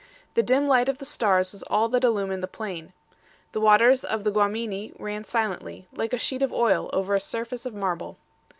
The dim light of the stars was all that illumined the plain. The waters of the Guamini ran silently, like a sheet of oil over a surface of marble.